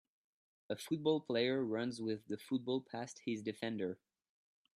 A football player runs with the football passed his defender